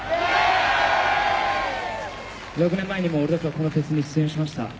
６年前にも俺たちはこのフェスに出演しました。